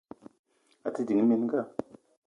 A te ding mininga.